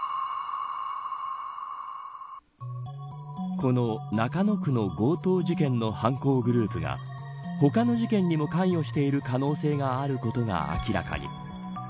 この中野区の強盗事件の犯行グループが他の事件にも関与している可能性があることが明らかに。